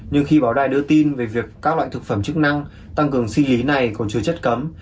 nhưng khi báo đài đưa tin về việc các loại thực phẩm chức năng tăng cường sinh lý này còn chứa chất cấm